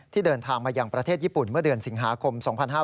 เดินทางมายังประเทศญี่ปุ่นเมื่อเดือนสิงหาคม๒๕๕๙